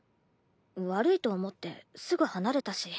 悪いと思ってすぐ離れたし。